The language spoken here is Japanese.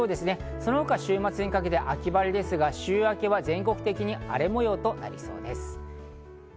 その他、週末にかけて秋晴れですが、週明けは全国的に荒れ模様となりそうです。